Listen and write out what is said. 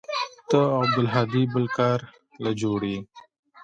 ته او عبدالهادي بل كار له جوړ يې.